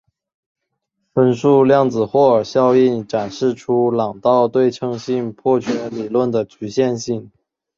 分数量子霍尔效应展示出朗道对称性破缺理论的局限性。